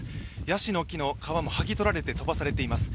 やしの木の皮も剥ぎ取られて飛ばされています。